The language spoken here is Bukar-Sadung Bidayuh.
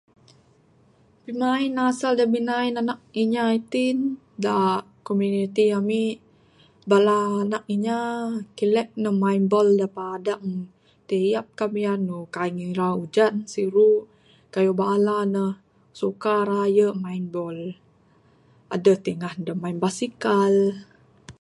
Pimain asal da binain anak inya itin da komuniti ami bala anak inya kilek ne main bol da padang tiap kamiandu, kaii ngira ujan, siru, kayuh bala ne suka raye main bol. Aduh tingah ne da main basikal.